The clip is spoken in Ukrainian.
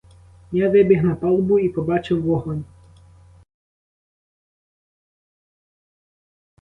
Я вибіг на палубу і побачив вогонь.